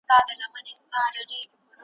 وبا د لوږي نیولې سیمه`